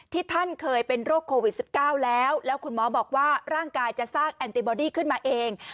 ท่านเคยเป็นโรคโควิด๑๙แล้วแล้วคุณหมอบอกว่าร่างกายจะสร้างแอนติบอดี้ขึ้นมาเอง